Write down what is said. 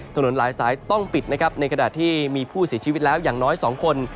ถนนหลายสายต้องปิดนะครับในขณะที่มีผู้เสียชีวิตแล้วอย่างน้อย๒คน